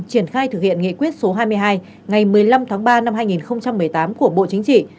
triển khai thực hiện nghị quyết số hai mươi hai ngày một mươi năm tháng ba năm hai nghìn một mươi tám của bộ chính trị